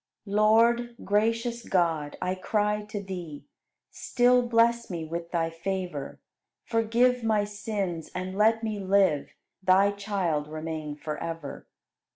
71. Lord, gracious God, I cry to Thee, Still bless me with Thy favor, Forgive my sins, and let me live, Thy child remain forever.